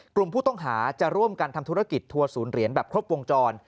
กลุ่มผู้ต้องหาจะร่วมกันทำธุรกิจทัวร์ศูนย์เหรียญแบบครบวงจร